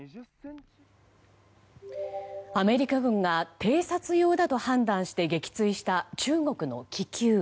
アメリカ軍が偵察用だと判断して撃墜した、中国の気球。